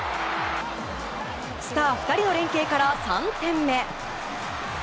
スター２人の連係から３点目。